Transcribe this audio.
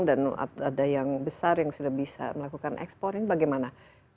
ada yang lebih banyak yang sedang dan ada yang besar yang sudah bisa melakukan ekspor ini bagaimana